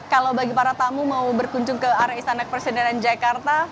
kalau bagi para tamu mau berkunjung ke arah istana kepresidenan jakarta